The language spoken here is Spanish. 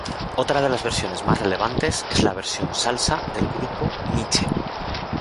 Otra de las versiones más relevantes es la versión salsa del Grupo Niche.